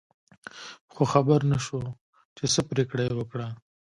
خو خبر نه شو چې څه پرېکړه یې وکړه.